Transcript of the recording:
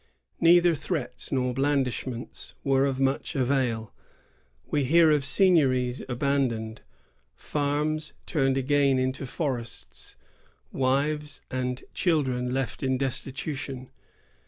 Neither threats nor blandishments were of much avail. We hear of seigniories abandoned; farms turning again into forests ; wives and children left in destitution.